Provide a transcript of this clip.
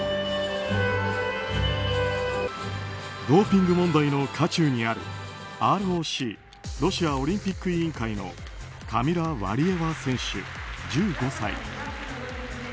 ドーピング問題の渦中にあるＲＯＣ・ロシアオリンピック委員会のカミラ・ワリエワ選手、１５歳。